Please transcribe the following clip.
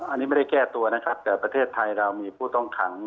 อันนี้ไม่ได้แก้ตัวนะครับแต่ประเทศไทยเรามีผู้ต้องขัง